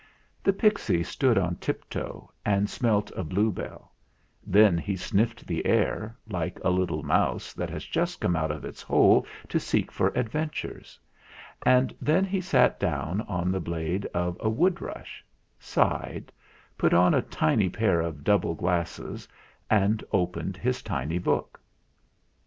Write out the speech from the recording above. The pixy stood on tiptoe and smelt a blue bell; then he sniffed the air, like a little mouse that has just come out of its hole to seek for adventures ; and then he sat down on the blade of a wood rush, sighed, put on a tiny pair of double glasses, and opened his tiny book.